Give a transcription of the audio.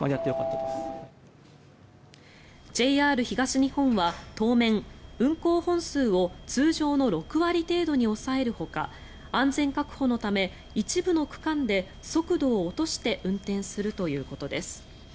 ＪＲ東日本は、当面運行本数を通常の６割程度に抑えるほか安全確保のため一部の区間で速度を落として運転するということです。